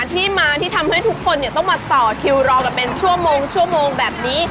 ที่มาที่ทำให้ทุกคนต้องมาต่อคิวรอกันเป็นชั่วโมงชั่วโมงแบบนี้